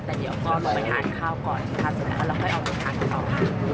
แต่เดี๋ยวก็ลงไปอาจข้าวก่อนครับแล้วค่อยออกจากทานข้าว